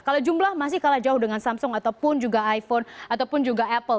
kalau jumlah masih kalah jauh dengan samsung ataupun juga iphone ataupun juga apple